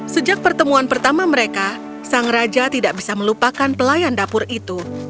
sejak pertemuan pertama mereka sang raja tidak bisa melupakan pelayan dapur itu